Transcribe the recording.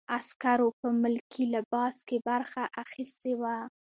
عسکرو په ملکي لباس کې برخه اخیستې وه.